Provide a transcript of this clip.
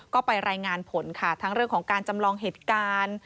ก็ไปรายงานผลค่ะทั้งเรื่องของการจำลองเหตุการณ์